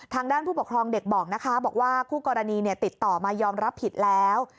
ทางด้านผู้ปกครองเด็กบอกนะคะบอกว่าคู่กรณีติดต่อมายอมรับผิดแล้ว